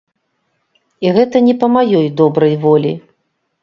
І гэта не па маёй добрай волі.